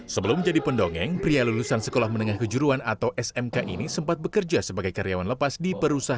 sebelum menjadi pendongeng pria lulusan sekolah menengah kejuruan atau smk ini sempat bekerja sebagai karyawan lepas di perusahaan